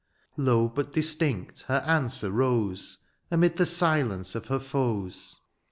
Low, but distinct, her answer rose. Amid the silence of her foes.